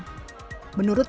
menurut para penyusunan